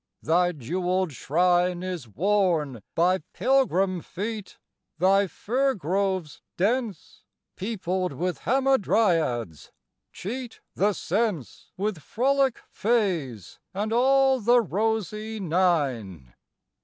Thy jeweled shrine Is worn by pilgrim feet; thy firgroves dense, Peopled with Hamadryads, cheat the sense With frolic fays and all the rosy Nine.